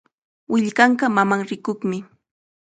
Willkanqa mamanrikuqmi.